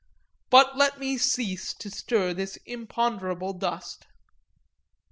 But let me cease to stir this imponderable dust.